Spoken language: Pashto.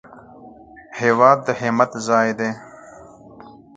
هېواد د همت ځای دی